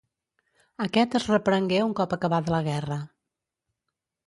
Aquest es reprengué un cop acabada la guerra.